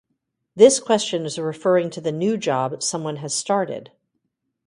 This question is referring to the new job someone has started.